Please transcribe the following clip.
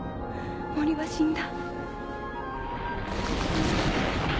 森は死んだ。